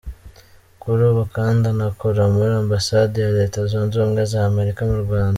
Kuri ubu kandi anakora muri Ambasade ya Leta Zunze Ubumwe za Amerika mu Rwanda.